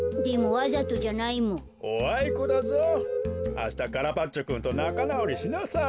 あしたカラバッチョくんとなかなおりしなさい。